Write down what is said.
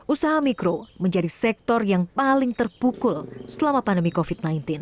usaha mikro menjadi sektor yang paling terpukul selama pandemi covid sembilan belas